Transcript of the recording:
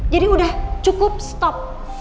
jadi udah cukup stop